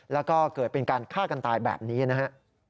แล้วก็เกิดเป็นการฆ่ากันตายแบบนี้นะฮะ